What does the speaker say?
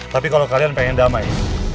tapi kalau kalian pengen damai